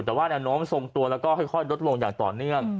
แต่ว่าแนวโน้มทรงตัวแล้วก็ค่อยลดลงอย่างต่อเนื่อง